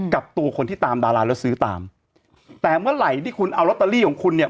กับตัวคนที่ตามดาราแล้วซื้อตามแต่เมื่อไหร่ที่คุณเอาลอตเตอรี่ของคุณเนี่ย